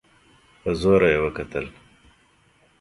په زوره يې وکتل.